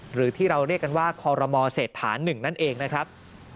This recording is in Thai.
หรือที่เราเรียกกันว่าคอรมอเศรษฐาน๑นั่นเองนะครับ